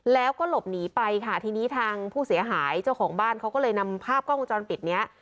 แล้วก็หลบหนีไปค่ะทีนี้ทางผู้เสียหายเจ้าของบ้านเขาก็เลยนำภาพกล้องวงจรปิดเนี้ย